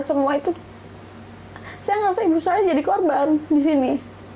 semua itu saya nggak usah ibu saya jadi korban di sini